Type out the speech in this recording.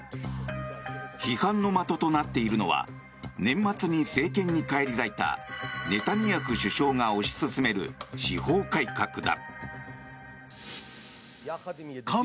批判の的となっているのは年末に政権に返り咲いたネタニヤフ首相が推し進める司法改革だ。